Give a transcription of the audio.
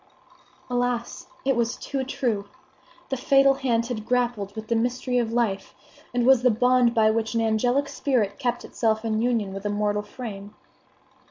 Alas! it was too true! The fatal hand had grappled with the mystery of life, and was the bond by which an angelic spirit kept itself in union with a mortal frame.